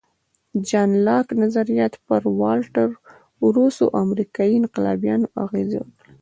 د جان لاک نظریات پر والټر، روسو او امریکایي انقلابیانو اغېز وکړ.